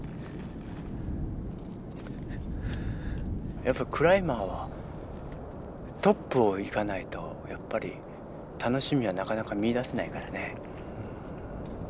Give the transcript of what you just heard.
やっぱクライマーはトップを行かないとやっぱり楽しみはなかなか見いだせないからね。